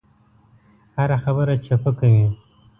هره خبره چپه کوي.